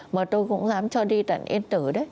mà tôi cũng dám cho đi tận yên tử đấy